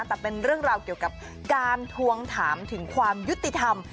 แต่เป็นเรื่องราวเกี่ยวกับการทวงถามถึงความยุติธรรม